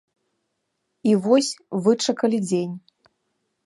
І вось вычакалі дзень.